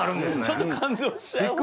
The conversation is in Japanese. ちょっと感動しちゃうホントに。